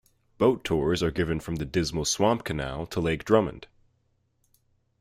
Boat tours are given from the Dismal Swamp Canal, to Lake Drummond.